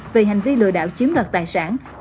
vì hành vi lừa đảo chiếm đoạt tài sản